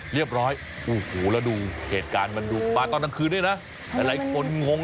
เรียบร้อยโอ้โหแล้วดูเหตุการณ์มันดูป่าก่อนตั้งคืนนี่นะอะไรก็ลงง